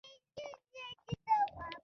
غیر دایمي غړي په دوو کالو کې ټاکل کیږي.